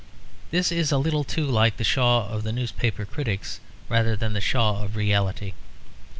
This is a little too like the Shaw of the newspaper critics rather than the Shaw of reality.